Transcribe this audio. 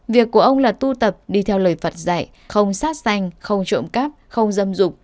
việc của ông là tu tập đi theo lời phật dạy không sát xanh không trộm cáp không dâm